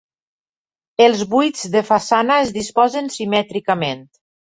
Els buits de façana es disposen simètricament.